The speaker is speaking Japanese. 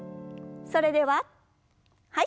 それでははい。